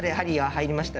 入りました。